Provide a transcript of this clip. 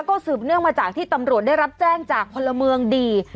ก็สืบเนื่องมาจากที่ตำรวจได้รับแจ้งจากพลเมืองดี